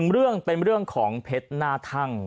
เรื่องเป็นเรื่องของเพชรหน้าทั่ง